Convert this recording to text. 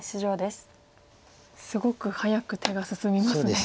すごく早く手が進みますね。